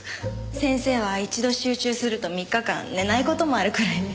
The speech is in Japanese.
先生は一度集中すると３日間寝ない事もあるくらいで。